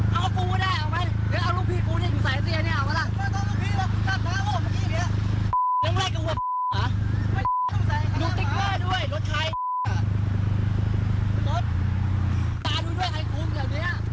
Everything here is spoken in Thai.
ตาดูด้วยใครคุ้มแบบนี้